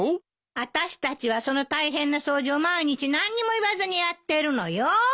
私たちはその大変な掃除を毎日何にも言わずにやってるのよ。